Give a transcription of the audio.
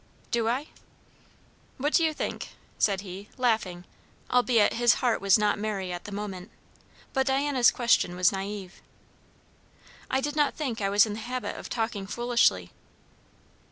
"Do I?" "What do you think?" said he, laughing, albeit his heart was not merry at the moment; but Diana's question was naive. "I did not think I was in the habit of talking foolishly."